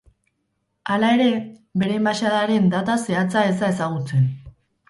Hala ere, bere enbaxadaren data zehatza ez da ezagutzen.